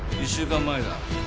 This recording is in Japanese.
１週間前だ。